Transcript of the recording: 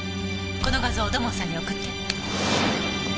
この画像を土門さんに送って。